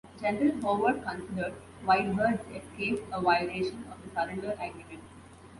General Howard considered White Bird's escape a violation of the surrender agreement.